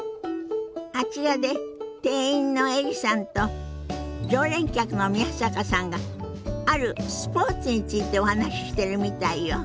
あちらで店員のエリさんと常連客の宮坂さんがあるスポーツについてお話ししてるみたいよ。